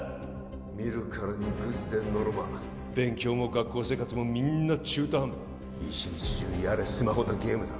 見るからにグズでのろま勉強も学校生活もみんな中途半端一日中やれスマホだゲームだ